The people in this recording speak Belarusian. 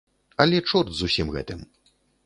Але чорт з усім гэтым.